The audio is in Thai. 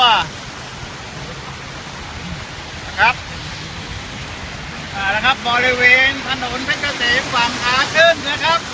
นะครับครับบริเวณถนนเพซ่มความหาขึ้นนะครับ